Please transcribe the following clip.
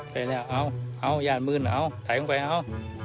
เทรนเนี่ยเอ้าเอ้าย่านมื้นเอ้าไถลลงไปเอ้า